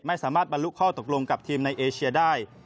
บรรลุข้อตกลงกับทีมในเอเชียได้